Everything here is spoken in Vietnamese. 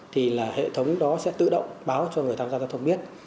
thì là hệ thống đó sẽ tự động báo cho người tham gia giao thông biết